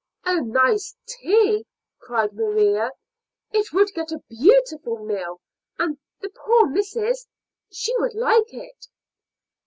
"A nice tea!" cried Maria. "It would get a beautiful meal; and the poor missis, she would like it."